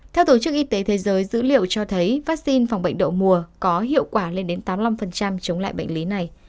theo tổ chức y tế thế giới dữ liệu cho thấy vaccine phòng bệnh đậu mùa có hiệu quả lên đến tám mươi năm chống lại bệnh lý này